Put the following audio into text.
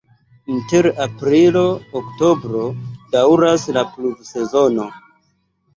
Inter aprilo-oktobro daŭras la pluvsezono.